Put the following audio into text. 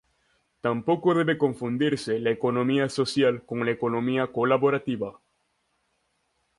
Tampoco debe confundirse la economía social con la economía colaborativa.